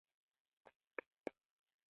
هغوی په ژور کوڅه کې پر بل باندې ژمن شول.